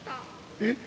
えっ。